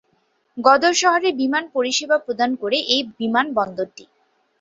গদর শহরের বিমান পরিসেবা প্রদান করে এই বিমানবন্দরটি।